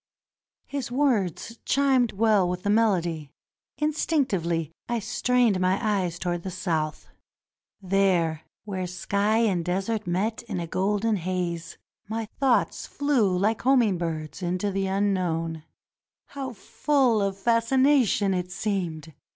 '^ His words chimed well with the melody. Instinctively I strained my eyes towards the south. There, where sky and desert met in a golden haze, my thoughts flew like homing birds into the unknown. How full of fascination it seemed